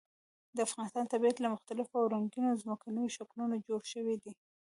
د افغانستان طبیعت له مختلفو او رنګینو ځمکنیو شکلونو جوړ شوی دی.